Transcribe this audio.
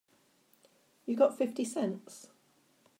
You got fifty cents?